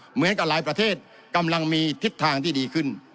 เหมือนกับหลายประเทศกำลังมีทิศทางที่ดีขึ้น